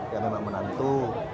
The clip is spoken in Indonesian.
ya memang menantu